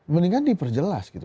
mendingan diperjelas gitu